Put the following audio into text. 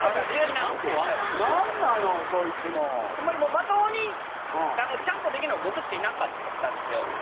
ホンマにまともにちゃんとできるのが僕しかいなかったんですよ。